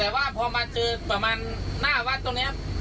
แต่ว่าพอมาเจอประมาณหน้าวัดตรงนี้